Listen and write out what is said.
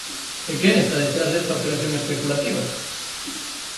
¿E quen está detrás desta operación especulativa?